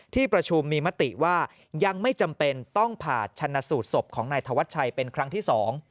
ที่ประชุมมีมติว่ายังไม่จำเป็นต้องผ่าชนะสูตรศพของนายธวัชชัยเป็นครั้งที่สอง